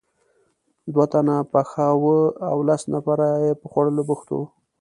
دوه تنه پخاوه او لس نفره یې په خوړلو بوخت وو.